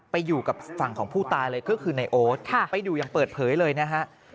ไปอยู่กับฝั่งของผู้ตายเลยก็คือในโอ๊ตไปดูอย่างเปิดเผยเลยนะฮะ